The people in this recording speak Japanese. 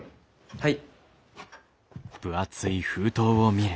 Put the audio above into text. はい。